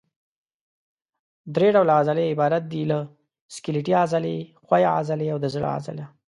درې ډوله عضلې عبارت دي له سکلیټي عضلې، ښویې عضلې او د زړه عضله.